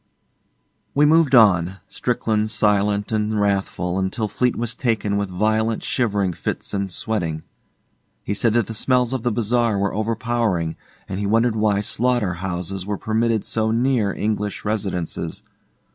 We moved on, Strickland silent and wrathful, until Fleete was taken with violent shivering fits and sweating. He said that the smells of the bazaar were overpowering, and he wondered why slaughter houses were permitted so near English residences.